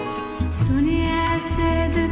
inilah benda murah